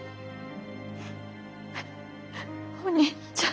お兄ちゃん。